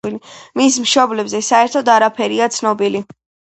მის მშობლებზე საერთოდ არაფერია ცნობილი.